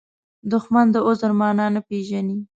دښمن د عذر معنا نه پېژني